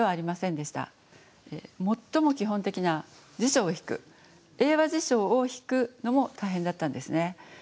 最も基本的な辞書を引く英和辞書を引くのも大変だったんですね。